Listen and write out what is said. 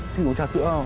thích uống trà sữa không